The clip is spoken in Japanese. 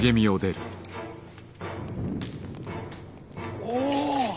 お！